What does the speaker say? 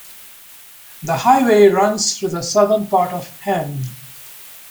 The highway runs through the southern part of Hemne.